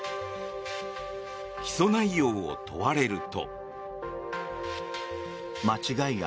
起訴内容を問われると。